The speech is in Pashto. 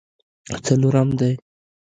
څلورم دی.